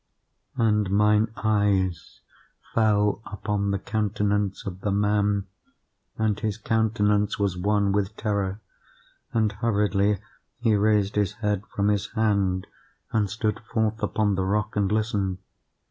"And mine eyes fell upon the countenance of the man, and his countenance was wan with terror. And, hurriedly, he raised his head from his hand, and stood forth upon the rock and listened.